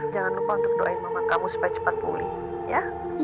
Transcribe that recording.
jangan lupa untuk doain mama kamu supaya cepat pulih ya